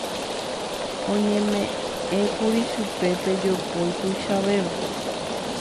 oñeme'ẽkuri chupe pe jopói tuichavéva